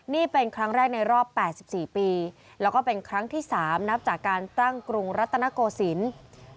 นี่เป็นครั้งแรกในรอบ๘๔ปีแล้วก็เป็นครั้งที่๓นับจากการตั้งกรุงรัตนโกศิลป์